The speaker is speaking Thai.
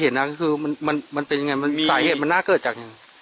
พุทธวุ้ายเห็นนะคือมันมันมันเป็นยังไงมันมีสาเหตุมันน่าเกิดจาก